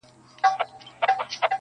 د دانو په اړولو کي سو ستړی!!